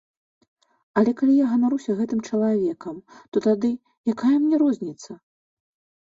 Але калі я ганаруся гэтым чалавекам, то тады, якая мне розніца?